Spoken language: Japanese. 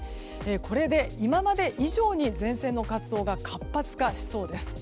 これで今まで以上に前線の活動が活発化しそうです。